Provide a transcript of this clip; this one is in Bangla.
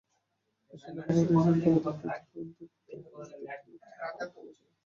খ্রীষ্টধর্মাবলম্বী ঈশ্বরকে আমাদের পৃথিবীর ঊর্ধ্বে কোথাও উপবিষ্ট একজন ব্যক্তি বলিয়া কল্পনা করেন।